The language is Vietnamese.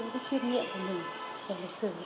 những chiêm nghiệm của mình về lịch sử